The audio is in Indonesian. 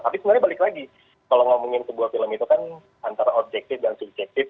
tapi sebenarnya balik lagi kalau ngomongin sebuah film itu kan antara objektif dan subjektif